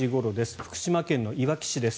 福島県のいわき市です。